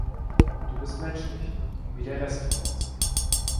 Du bist menschlich, wie der Rest von uns.